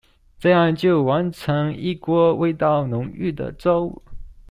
這樣就完成一鍋味道濃郁的粥